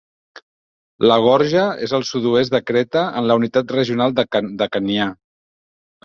La gorja és al sud-oest de Creta, en la unitat regional de Khanià.